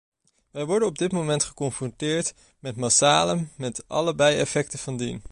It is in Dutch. Wij worden op dit moment geconfronteerd met massale met alle bijeffecten van dien.